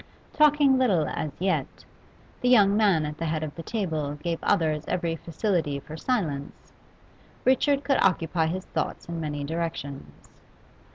Talking little as yet the young man at the head of the table gave others every facility for silence Richard could occupy his thought in many directions.